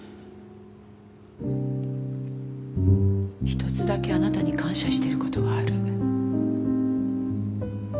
一つだけあなたに感謝してることがある。